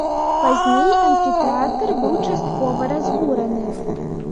Пазней амфітэатр быў часткова разбураны.